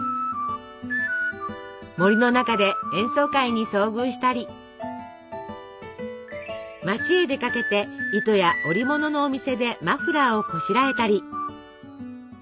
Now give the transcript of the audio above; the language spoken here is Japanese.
森の中で演奏会に遭遇したり町へ出かけて糸や織物のお店でマフラーをこしらえたり。